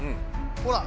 ほら！